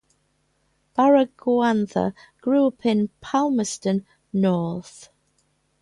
Baragwanath grew up in Palmerston North.